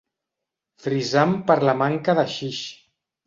Frisant per la manca de haixix.